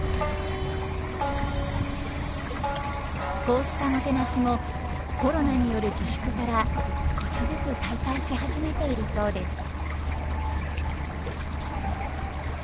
こうしたもてなしもコロナによる自粛から少しずつ再開し始めているそうです。